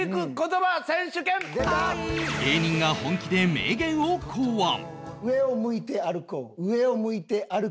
芸人が本気で名言を考案